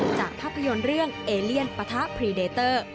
จากภาพยนตร์เรื่องเอเลียนปะทะพรีเดเตอร์